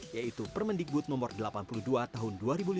yaitu permendikbud no delapan puluh dua tahun dua ribu lima belas